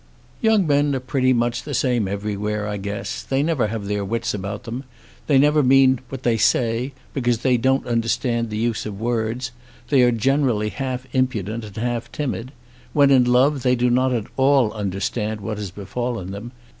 "Young men are pretty much the same everywhere, I guess. They never have their wits about them. They never mean what they say, because they don't understand the use of words. They are generally half impudent and half timid. When in love they do not at all understand what has befallen them.